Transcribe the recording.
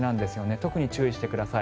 特に注意してください。